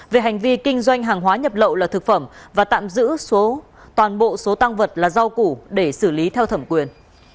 về hành vi kinh doanh hàng hóa nhập lậu là thực phẩm và tạm giữ toàn bộ số tăng vật là rau củ để xử lý theo thẩm quyền